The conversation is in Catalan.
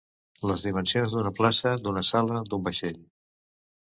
Les dimensions d'una plaça, d'una sala, d'un vaixell.